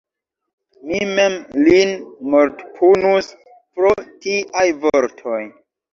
Mi mem lin mortpunus pro tiaj vortoj!